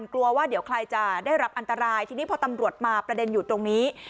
กลัวว่าเดี๋ยวใครจะได้รับอันตรายทีนี้พอตำรวจมาประเด็นอยู่ตรงนี้